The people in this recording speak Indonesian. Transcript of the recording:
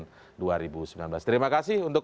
dua ribu sembilan belas terima kasih untuk